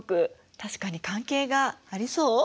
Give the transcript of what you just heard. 確かに関係がありそう？